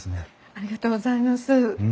ありがとうございます。